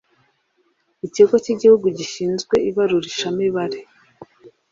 Ikigo cy Igihugu Gishinzwe Ibarurishamibare